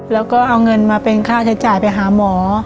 แล้วก็เอาเงินมาเป็นค่าใช้จ่ายไปหาหมอ